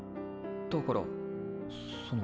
だからその。